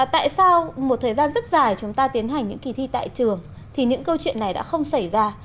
tại sao một thời gian rất dài chúng ta tiến hành những kỳ thi tại trường thì những câu chuyện này đã không xảy ra